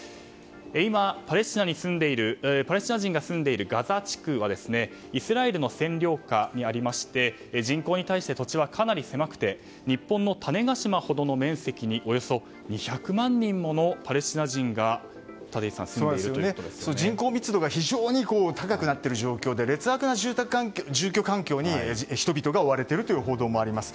今、パレスチナ人が住んでいるガザ地区はイスラエルの占領下にありまして人口に対して土地はかなり狭くて日本の種子島ほどの面積に、およそ２００万人ものパレスチナ人が立石さん人口密度が非常に高くなっている状況で劣悪な住居環境に人々が追われているという報道もあります。